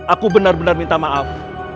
aku benar benar minta maaf